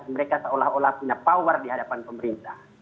mereka seolah olah punya power di hadapan pemerintah